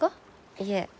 いえ。